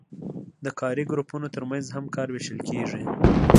د کاري ګروپونو ترمنځ هم کار ویشل کیږي.